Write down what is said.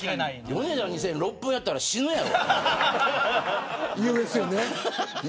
ヨネダ２０００が６分やったら死ぬやろ。